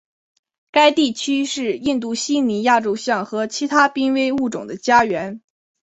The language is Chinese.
该地区是印度犀牛亚洲象和其他濒危物种的家园。